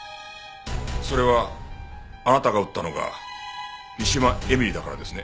それはあなたが撃ったのが三島絵美里だからですね？